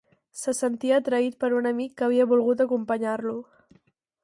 Se sentia traït per un amic que havia volgut acompanyar-lo.